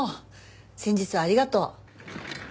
先日はありがとう。